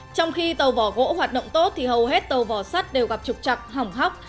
trong khi tàu vỏ gỗ hoạt động tốt thì hầu hết tàu vỏ sắt đều gặp trục chặt hỏng hóc